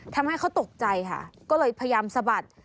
ทำให้เขาตกใจค่ะก็เลยพยายามสะบัด